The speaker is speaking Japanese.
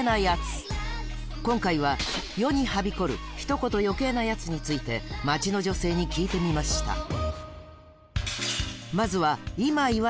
今回は世にはびこるひと言余計なヤツについて街の女性に聞いてみました